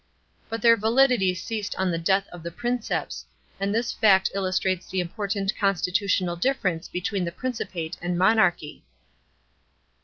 But their validity ceased on the death of the Princeps, and this fact illustrates the important constitutional difference between the Principate and monarchy.